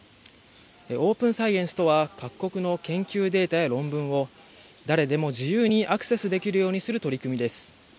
オープンサイエンスとは各国の研究データや論文を誰でも自由にアクセスできるようにする取り組みです。